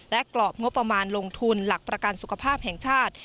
และกรอบงบประมาณลงทุนหลักประกันสุขภาพแห่งชาติ